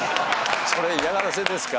「それ嫌がらせですか？」